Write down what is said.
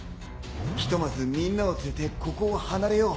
ひとまずみんなを連れてここを離れよう。